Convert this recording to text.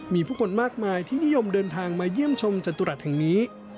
มีผู้คนมากมายที่นิยมเดินทางมาเยี่ยมชมจตุรัสแห่งนี้